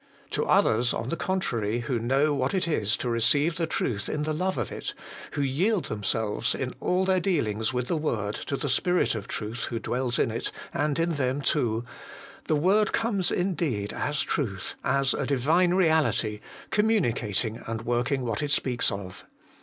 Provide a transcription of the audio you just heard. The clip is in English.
To others, on the contrary, who know what it is to receive the truth in the love of it, who yield themselves, in all their dealings with the word, to the Spirit of Truth who dwells in it and in them too, the word comes indeed as Truth, as a Divine reality, communicating and working what it speaks of.